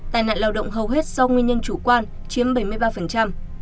tài nạn lao động hầu hết do nguyên nhân chủ quan chiếm bảy mươi ba